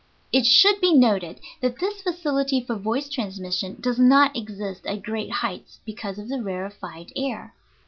It should be noted that this facility for voice transmission does not exist at great heights because of the rarefied air.